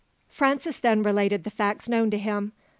Francis then related the facts known to him.